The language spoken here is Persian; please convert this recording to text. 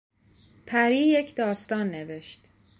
پری یک داستان نوشت.